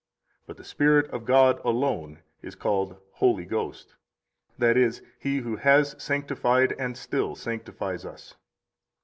But the Spirit of God alone is called Holy Ghost, that is, He who has sanctified and still sanctifies us.